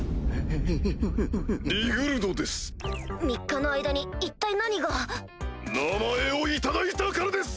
３日の間に一体何が⁉名前を頂いたからです！